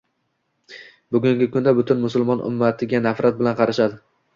Bugungi kunda butun musulmon ummatiga nafrat bilan qarashadi